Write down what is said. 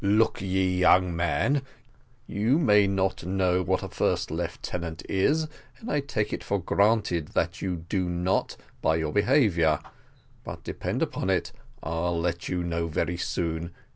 "Look ye, young man, you may not know what a first lieutenant is, and I take it for granted that you do not, by your behaviour; but depend upon it, I'll let you know very soon.